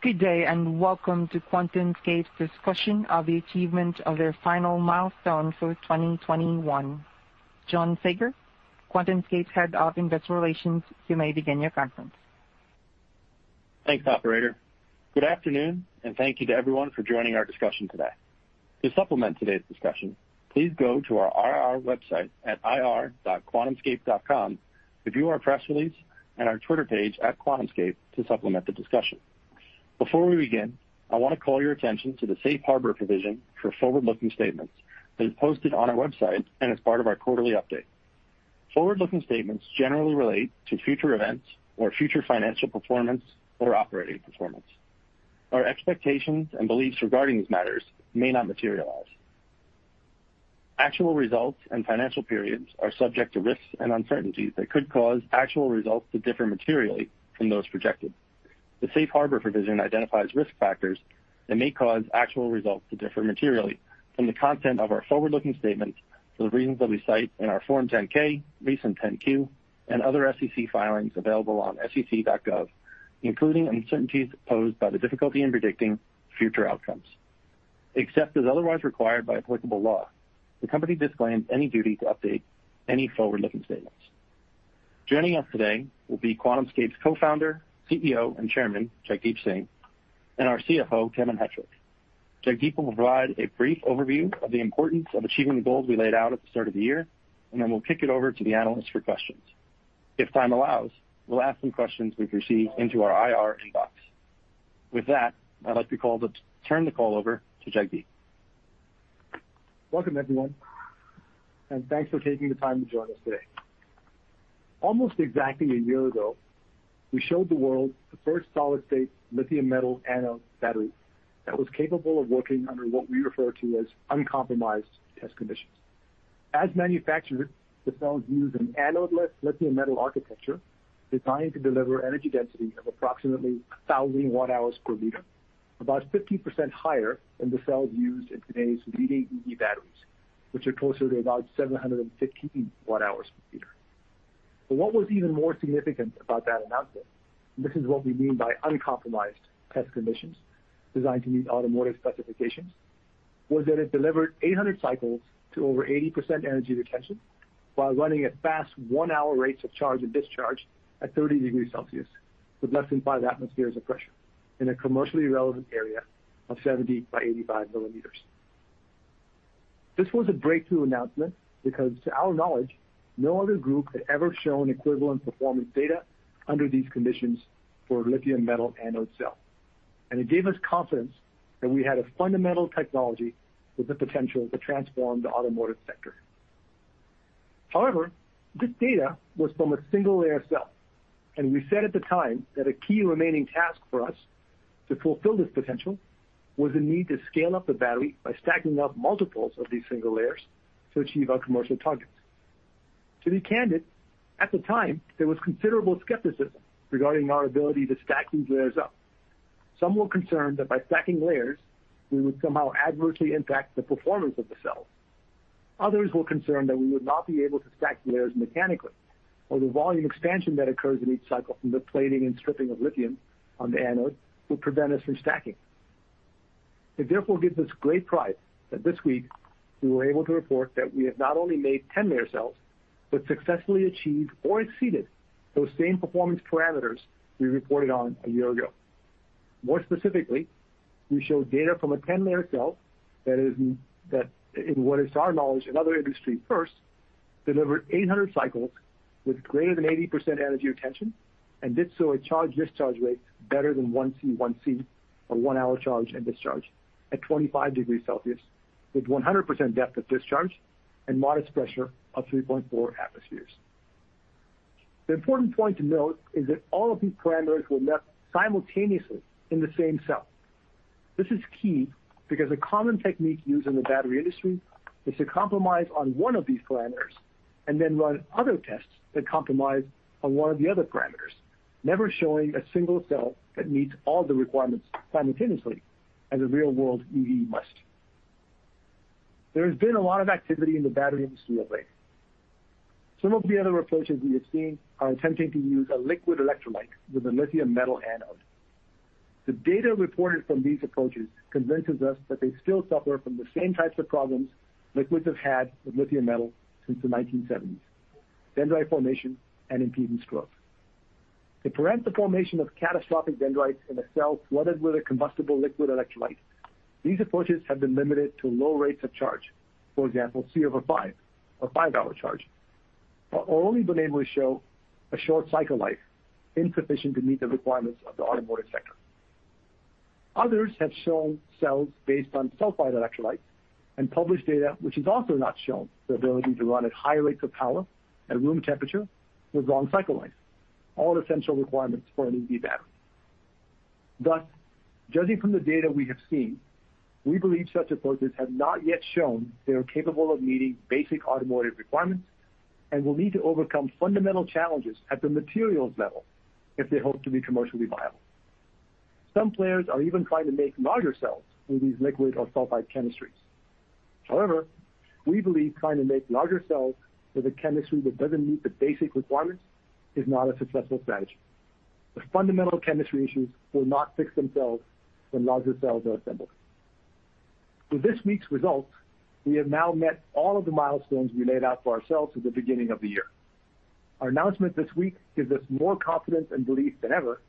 Good day, and welcome to QuantumScape's discussion of the achievement of their final milestone for 2021. John Saager, QuantumScape's Head of Investor Relations, you may begin your conference. Thanks, Operator. Good afternoon, and thank you to everyone for joining our discussion today. To supplement today's discussion, please go to our IR website at ir.quantumscape.com to view our press release and our Twitter page at QuantumScape to supplement the discussion. Before we begin, I want to call your attention to the safe harbor provision for forward-looking statements that is posted on our website and as part of our quarterly update. Forward-looking statements generally relate to future events or future financial performance or operating performance. Our expectations and beliefs regarding these matters may not materialize. Actual results and financial periods are subject to risks and uncertainties that could cause actual results to differ materially from those projected. The safe harbor provision identifies risk factors that may cause actual results to differ materially from the content of our forward-looking statements for the reasons that we cite in our Form 10-K, recent 10-Q, and other SEC filings available on sec.gov, including uncertainties posed by the difficulty in predicting future outcomes. Except as otherwise required by applicable law, the company disclaims any duty to update any forward-looking statements. Joining us today will be QuantumScape's Co-Founder, CEO, and Chairman Jagdeep Singh, and our CFO, Kevin Hettrich. Jagdeep will provide a brief overview of the importance of achieving the goals we laid out at the start of the year, and then we'll kick it over to the analysts for questions. If time allows, we'll ask some questions we've received into our IR inbox. With that, I'd like to turn the call over to Jagdeep. Welcome, everyone, and thanks for taking the time to join us today. Almost exactly a year ago, we showed the world the first solid-state lithium metal anode battery that was capable of working under what we refer to as uncompromised test conditions. As manufactured, the cells used an anode-less lithium metal architecture designed to deliver energy density of approximately 1,000 Wh/L, about 15% higher than the cells used in today's leading EV batteries, which are closer to about 715. What was even more significant about that announcement, and this is what we mean by uncompromised test conditions designed to meet automotive specifications, was that it delivered 800 cycles to over 80% energy retention while running at fast one-hour rates of charge and discharge at 30 degrees Celsius, with less than five atmospheres of pressure, in a commercially relevant area of 70 by 85 mm. This was a breakthrough announcement because, to our knowledge, no other group had ever shown equivalent performance data under these conditions for lithium metal anode cells. It gave us confidence that we had a fundamental technology with the potential to transform the automotive sector. However, this data was from a single layer cell, and we said at the time that a key remaining task for us to fulfill this potential was the need to scale up the battery by stacking up multiples of these single layers to achieve our commercial targets. To be candid, at the time, there was considerable skepticism regarding our ability to stack these layers up. Some were concerned that by stacking layers, we would somehow adversely impact the performance of the cells. Others were concerned that we would not be able to stack layers mechanically, or the volume expansion that occurs in each cycle from the plating and stripping of lithium on the anode would prevent us from stacking. It therefore gives us great pride that this week, we were able to report that we have not only made 10 layer cells, but successfully achieved or exceeded those same performance parameters we reported on a year ago. More specifically, we showed data from a 10 layer cell that is, in what is to our knowledge another industry first, delivered 800 cycles with greater than 80% energy retention and did so at charge-discharge rates better than 1C 1C, a one-hour charge and discharge at 25 degrees Celsius, with 100% depth of discharge and modest pressure of 3.4 atmospheres. The important point to note is that all of these parameters were met simultaneously in the same cell. This is key because a common technique used in the battery industry is to compromise on one of these parameters and then run other tests that compromise on one of the other parameters, never showing a single cell that meets all the requirements simultaneously as a real-world EV must. There has been a lot of activity in the battery industry lately. Some of the other approaches we have seen are attempting to use a liquid electrolyte with a lithium metal anode. The data reported from these approaches convinces us that they still suffer from the same types of problems liquids have had with lithium metal since the 1970s: dendrite formation and impedance growth. To prevent the formation of catastrophic dendrites in a cell flooded with a combustible liquid electrolyte, these approaches have been limited to low rates of charge, for example, C/5 or five-hour charge, but only been able to show a short cycle life, insufficient to meet the requirements of the automotive sector. Others have shown cells based on sulfide electrolytes and published data, which has also not shown the ability to run at high rates of power at room temperature with long cycle life, all essential requirements for an EV battery. Thus, judging from the data we have seen, we believe such approaches have not yet shown they are capable of meeting basic automotive requirements and will need to overcome fundamental challenges at the materials level if they hope to be commercially viable. Some players are even trying to make larger cells with these liquid or sulfide chemistries. However, we believe trying to make larger cells with a chemistry that doesn't meet the basic requirements is not a successful strategy. The fundamental chemistry issues will not fix themselves when larger cells are assembled. With this week's results, we have now met all of the milestones we laid out for ourselves at the beginning of the year. Our announcement this week gives us more confidence and belief than ever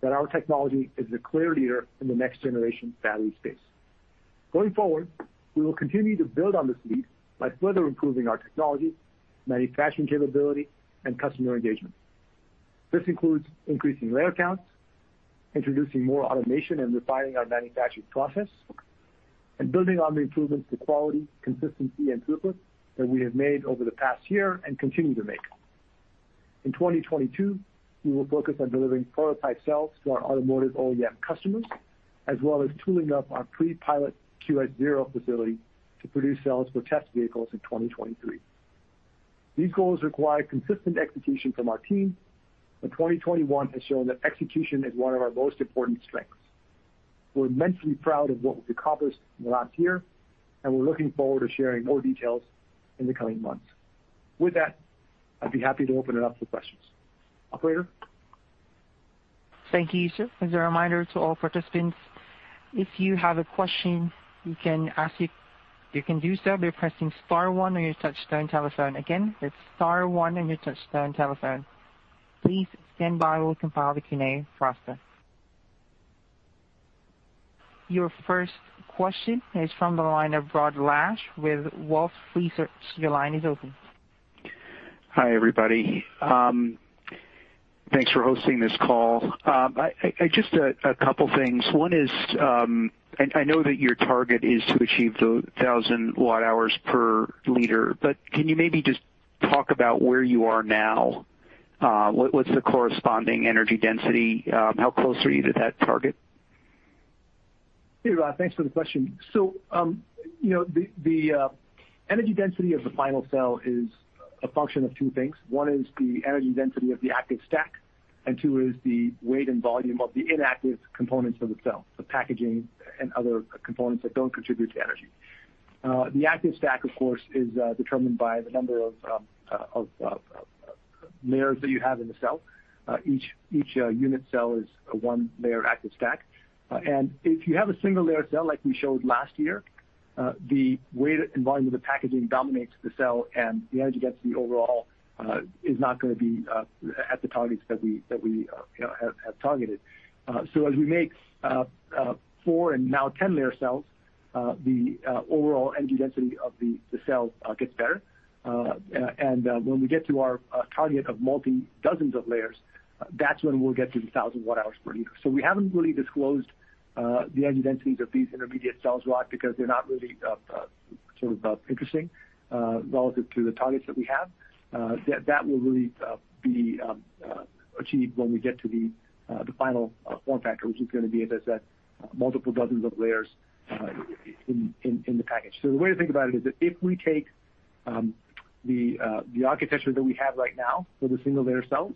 that our technology is a clear leader in the next-generation battery space. Going forward, we will continue to build on this lead by further improving our technology, manufacturing capability, and customer engagement. This includes increasing layer counts, introducing more automation, and refining our manufacturing process, building on the improvements to quality, consistency, and throughput that we have made over the past year and continue to make. In 2022, we will focus on delivering prototype cells to our automotive OEM customers, as well as tooling up our pre-pilot QS-0 facility to produce cells for test vehicles in 2023. These goals require consistent execution from our team, and 2021 has shown that execution is one of our most important strengths. We're immensely proud of what we've accomplished in the last year, and we're looking forward to sharing more details in the coming months. With that, I'd be happy to open it up for questions. Operator? Thank you, Yusuf. As a reminder to all participants, if you have a question, you can ask it by pressing star one on your touch-tone telephone. Again, that's star one on your touch-tone telephone. Please stand by. We'll compile the Q&A faster. Your first question is from the line of Rod Lache with Wolfe Research. Your line is open. Hi, everybody. Thanks for hosting this call. I just have a couple of things. One is, I know that your target is to achieve the 1,000 Wh/L, but can you maybe just talk about where you are now? What's the corresponding energy density? How close are you to that target? Hey, Rod. Thanks for the question. The energy density of the final cell is a function of two things. One is the energy density of the active stack, and two is the weight and volume of the inactive components of the cell, the packaging and other components that don't contribute to energy. The active stack, of course, is determined by the number of layers that you have in the cell. Each unit cell is one layer of active stack. If you have a single layer cell like we showed last year, the weight and volume of the packaging dominates the cell, and the energy density overall is not going to be at the targets that we have targeted. As we make four and now 10 layer cells, the overall energy density of the cell gets better. When we get to our target of multi-dozen layer cells, that's when we'll get to the 1,000 Wh/L. We haven't really disclosed the energy densities of these intermediate cells, Rod, because they're not really sort of interesting relative to the targets that we have. That will really be achieved when we get to the final form factor, which is going to be, as I said, multiple dozens of layers in the package. The way to think about it is that if we take the architecture that we have right now for the single layer cells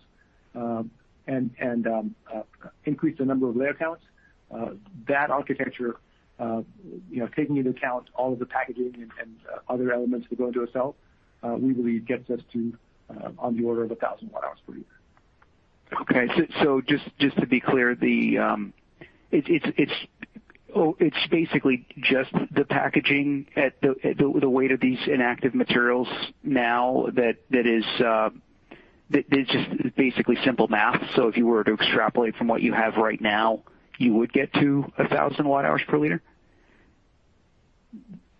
and increase the number of layer counts, that architecture, taking into account all of the packaging and other elements that go into a cell, we believe gets us to on the order of 1,000 Wh/L. Okay. Just to be clear, it's basically just the packaging at the weight of these inactive materials now. That is just basically simple math. If you were to extrapolate from what you have right now, you would get to 1,000 Wh/L?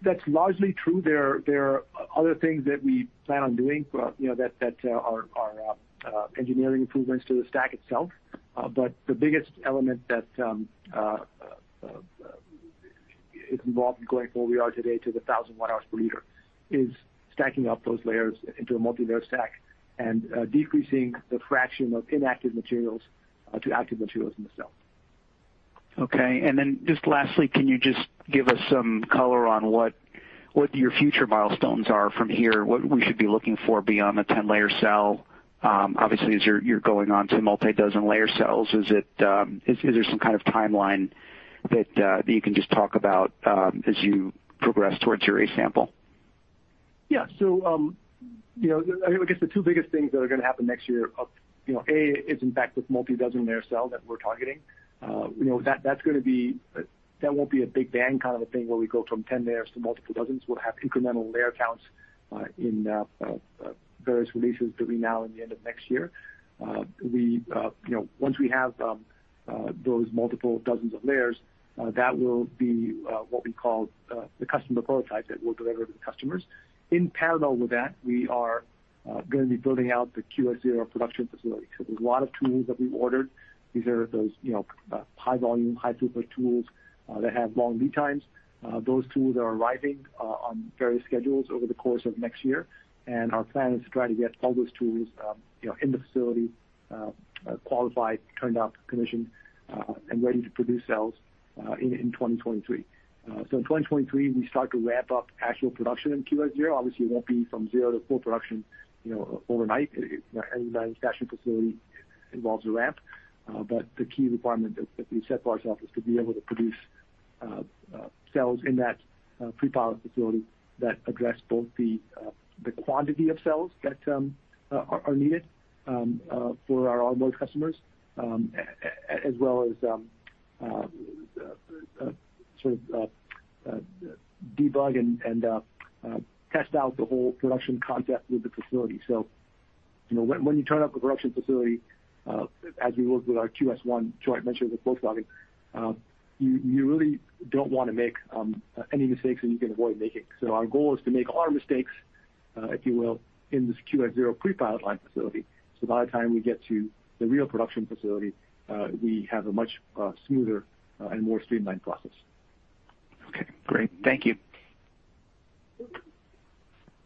That's largely true. There are other things that we plan on doing that are engineering improvements to the stack itself. The biggest element that is involved in going from where we are today to the 1,000 Wh/L is stacking up those layers into a multi-layer stack and decreasing the fraction of inactive materials to active materials in the cell. Okay. Lastly, can you just give us some color on what your future milestones are from here? What we should be looking for beyond the 10 layer cell? Obviously, as you're going on to multi-dozen layer cells, is there some kind of timeline that you can just talk about as you progress towards your A sample? Yeah. The two biggest things that are going to happen next year, A, is in fact this multi-dozen layer cell that we're targeting. That's going to be that won't be a big bang kind of a thing where we go from 10 layers to multiple dozens. We'll have incremental layer counts in various releases between now and the end of next year. Once we have those multiple dozens of layers, that will be what we call the customer prototype that we'll deliver to the customers. In parallel with that, we are going to be building out the QS-0 production facility. There are a lot of tools that we ordered. These are those high volume, high throughput tools that have long lead times. Those tools are arriving on various schedules over the course of next year. Our plan is to try to get all those tools in the facility, qualified, turned up, commissioned, and ready to produce cells in 2023. In 2023, we start to ramp up actual production in QS-0. Obviously, it won't be from zero to full production overnight. Any manufacturing facility involves a ramp. The key requirement that we've set for ourselves is to be able to produce cells in that pre-pilot facility that address both the quantity of cells that are needed for our automotive customers, as well as sort of debug and test out the whole production concept with the facility. When you turn up a production facility, as we worked with our QS-1, Troy mentioned with Volkswagen Group, you really don't want to make any mistakes that you can avoid making. Our goal is to make all our mistakes, if you will, in this QS-0 pre-pilot line facility. By the time we get to the real production facility, we have a much smoother and more streamlined process. Okay. Great. Thank you.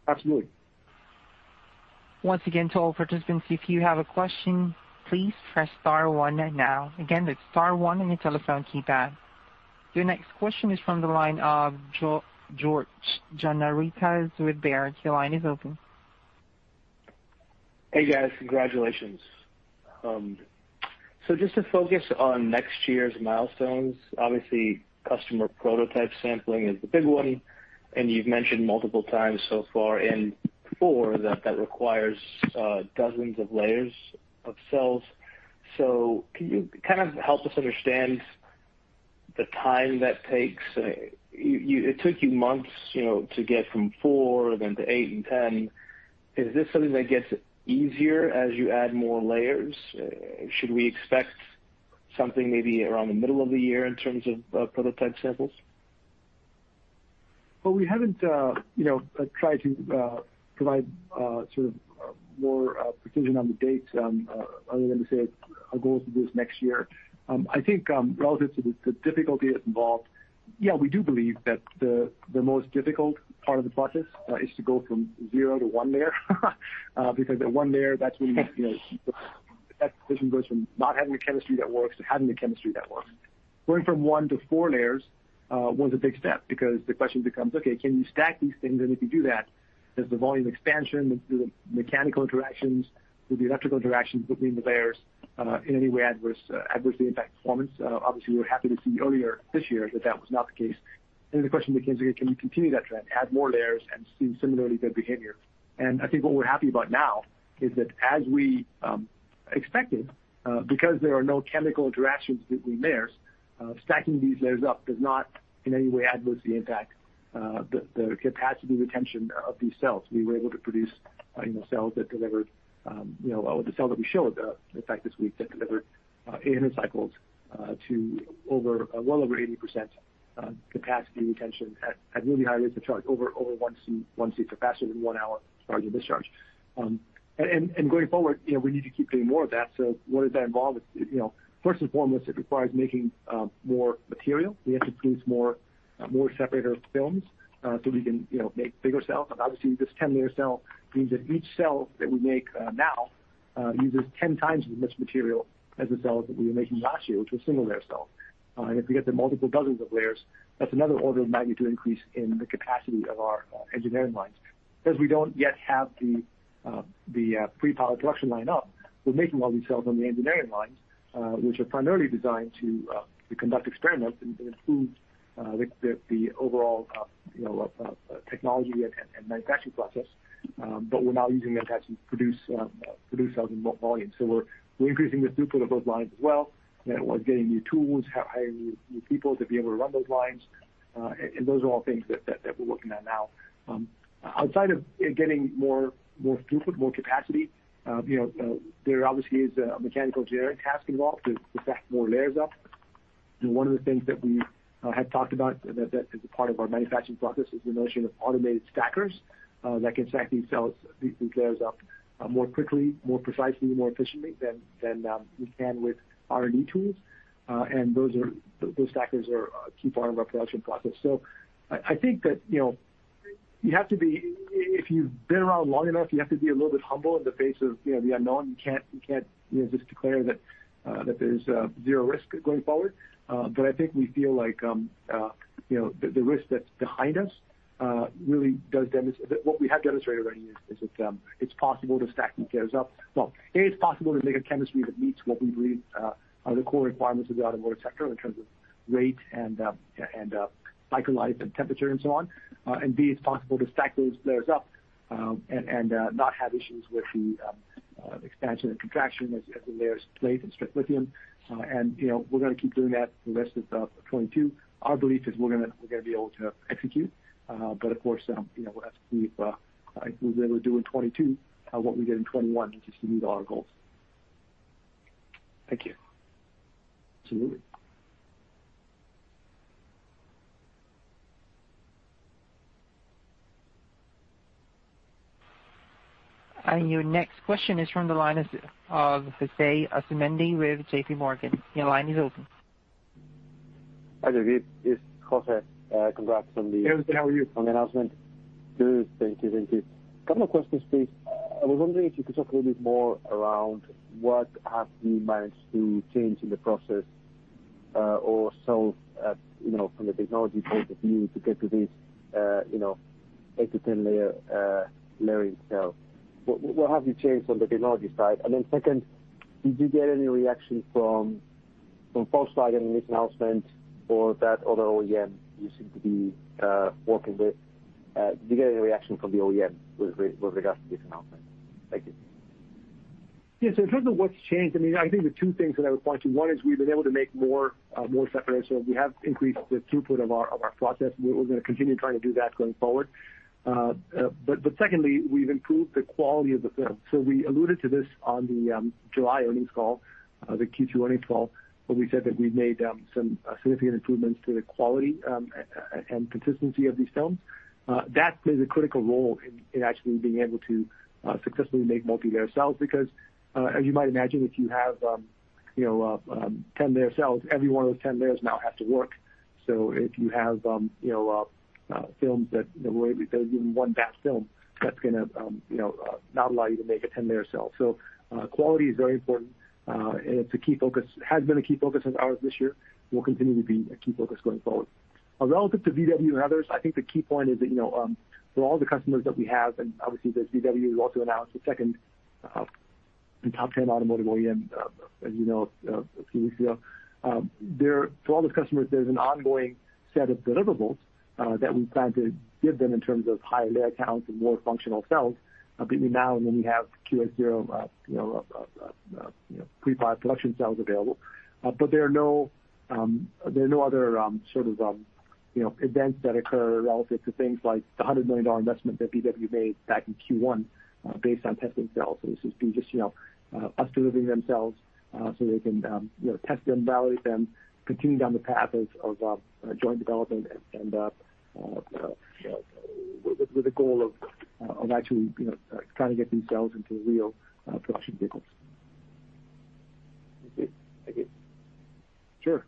Absolutely. Once again, to all participants, if you have a question, please press star one now. Again, that's star one on your telephone keypad. Your next question is from the line of George Janarita with Barrett. Your line is open. Hey, guys. Congratulations. Just to focus on next year's milestones, obviously, customer prototype sampling is the big one. You've mentioned multiple times so far in Q4 that that requires dozens of layers of cells. Can you kind of help us understand the time that takes? It took you months, you know, to get from four and then to 8 and 10. Is this something that gets easier as you add more layers? Should we expect something maybe around the middle of the year in terms of prototype samples? We haven't tried to provide more precision on the dates other than to say our goal is to do this next year. I think relative to the difficulty involved, we do believe that the most difficult part of the process is to go from zero to one layer because at one layer, that's when that decision goes from not having the chemistry that works to having the chemistry that works. Going from one to four layers was a big step because the question becomes, "Okay, can you stack these things?" If you do that, does the volume expansion, do the mechanical interactions, do the electrical interactions between the layers in any way adversely impact performance? Obviously, we were happy to see earlier this year that that was not the case. The question became, "Okay, can we continue that trend, add more layers, and see similarly good behavior?" I think what we're happy about now is that as we expected, because there are no chemical interactions between layers, stacking these layers up does not in any way adversely impact the capacity retention of these cells. We were able to produce cells that delivered the cell that we showed, in fact, this week that delivered 800 cycles to well over 80% capacity retention at really high rates of charge over 1C, 1C, so faster than one-hour charge and discharge. Going forward, we need to keep doing more of that. What does that involve? First and foremost, it requires making more material. We have to produce more separator films so we can make bigger cells. Obviously, this 10 layer cell means that each cell that we make now uses 10 times as much material as the cells that we were making last year, which were single layer cells. If we get to multiple dozens of layers, that's another order of magnitude increase in the capacity of our engineering lines. Because we don't yet have the pre-pilot production line up, we're making all these cells on the engineering lines, which are primarily designed to conduct experiments and improve the overall technology and manufacturing process. We're now using them to actually produce cells in more volume. We're increasing the throughput of those lines as well. That was getting new tools, hiring new people to be able to run those lines. Those are all things that we're working on now. Outside of getting more throughput, more capacity, there obviously is a mechanical engineering task involved to stack more layers up. One of the things that we have talked about that is a part of our manufacturing process is the notion of automated stackers that can stack these cells, these layers up more quickly, more precisely, more efficiently than we can with R&D tools. Those stackers are a key part of our production process. I think that, you know, you have to be, if you've been around long enough, you have to be a little bit humble in the face of the unknown. You can't just declare that there's zero risk going forward. I think we feel like the risk that's behind us really does demonstrate that what we have demonstrated already is that it's possible to stack these layers up. It's possible to make a chemistry that meets what we believe are the core requirements of the automotive sector in terms of weight and cycle life and temperature and so on. It's possible to stack those layers up and not have issues with the expansion and contraction as the layers plate and strip lithium. We're going to keep doing that the rest of 2022. Our belief is we're going to be able to execute. Of course, we'll have to see if we're really doing in 2022 what we did in 2021, which is to meet all our goals. Thank you. Absolutely. Your next question is from the line of Jose Asumendi with JPMorgan. Your line is open. Hi, Jagdeep. It's Jose. Congrats on the. Hey, Jose. How are you? On the announcement. Good. Thank you. A couple of questions, please. I was wondering if you could talk a little bit more around what have you managed to change in the process or solve from the technology point of view to get to this 8-10 layer layering cell. What have you changed on the technology side? Did you get any reaction from Volkswagen in this announcement or that other OEM you seem to be working with? Did you get any reaction from the OEM with regards to this announcement? Thank you. Yeah. In terms of what's changed, I think the two things that I would point to, one is we've been able to make more separators. We have increased the throughput of our process. We're going to continue trying to do that going forward. Secondly, we've improved the quality of the film. We alluded to this on the July earnings call, the Q2 earnings call, where we said that we've made some significant improvements to the quality and consistency of these films. That plays a critical role in actually being able to successfully make multi-layer cells because, as you might imagine, if you have 10 layer cells, every one of those 10 layers now has to work. If you have films that, you know, there's even one bad film, that's going to not allow you to make a 10 layer cell. Quality is very important, and it's a key focus, has been a key focus of ours this year, will continue to be a key focus going forward. Relative to Volkswagen Group and others, I think the key point is that for all the customers that we have, and obviously, there's Volkswagen Group who also announced the second and top 10 automotive OEM, as you know, a few weeks ago. For all those customers, there's an ongoing set of deliverables that we plan to give them in terms of higher layer counts and more functional cells between now and when we have QS-0 pre-pilot production cells available. There are no other sort of events that occur relative to things like the $100 million investment that Volkswagen Group made back in Q1 based on testing cells. This would be just us delivering them cells so they can test them, validate them, continue down the path of joint development and with the goal of actually trying to get these cells into real production vehicles. Thank you. Thank you. Sure.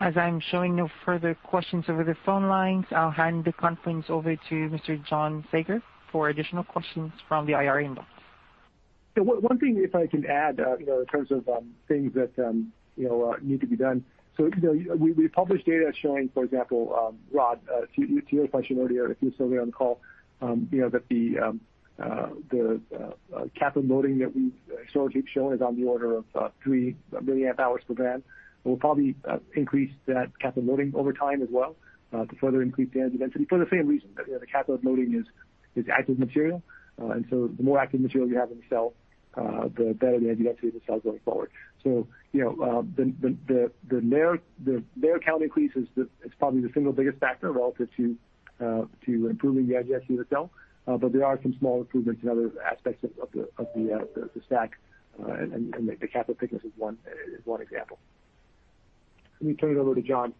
As I'm showing no further questions over the phone lines, I'll hand the conference over to Mr. John Saager for additional questions from the IR inbox. Yeah. One thing, if I can add, in terms of things that need to be done. We published data showing, for example, Rod, to your question earlier, if you're still there on the call, that the cathode loading that we've historically shown is on the order of 3 milliamp hours per gram. We'll probably increase that cathode loading over time as well to further increase the energy density for the same reason, that the cathode loading is active material. The more active material you have in the cell, the better the energy density of the cell going forward. The layer count increase is probably the single biggest factor relative to improving the energy density of the cell. There are some small improvements in other aspects of the stack, and the cathode thickness is one example. Let me turn it over to John.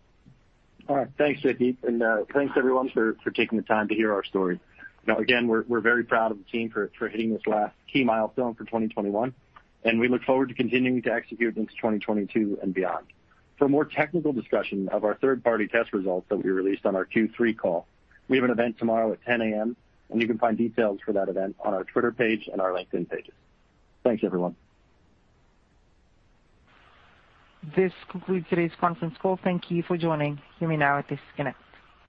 All right. Thanks, Jagdeep. Thanks, everyone, for taking the time to hear our story. We're very proud of the team for hitting this last key milestone for 2021, and we look forward to continuing to execute into 2022 and beyond. For a more technical discussion of our third-party test results that we released on our Q3 call, we have an event tomorrow at 10:00 A.M. You can find details for that event on our Twitter page and our LinkedIn pages. Thanks, everyone. This concludes today's conference call. Thank you for joining. You may now disconnect.